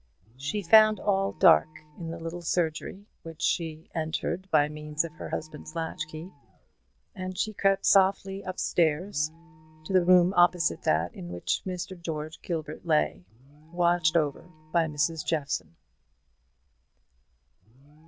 She found all dark in the little surgery, which she entered by means of her husband's latch key; and she crept softly up the stairs to the room opposite that in which George Gilbert lay, watched over by Mrs. Jeffson.